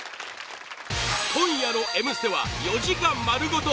今夜の「Ｍステ」は４時間まるごと！